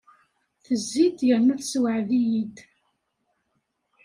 Tezzi-d yernu tessewɛed-iyi-d.